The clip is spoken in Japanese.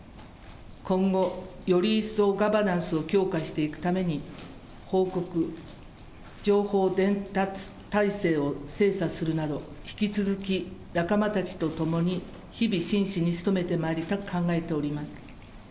今後、より一層、ガバナンスを強化していくために、報告、情報伝達体制を精査するなど、引き続き仲間たちと共に日々真摯に努めてまいりたく考えております。